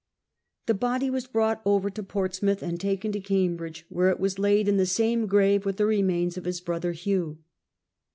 The body was brought over to Portsmouth and taken to Cambridge, where it was laid in the same grave with the remains of his brother Hugh.